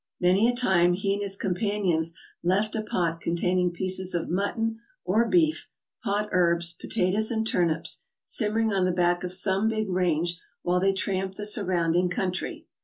Many a time he and his companions left a po*t contain ing pieces of mutton or beef, pot herbs, potatoes and turnips simmering on the back of some big range while they tramped the surrounding country.